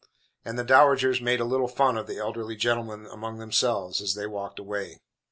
And the dowagers made a little fun of the elderly gentlemen, among themselves, as they walked away.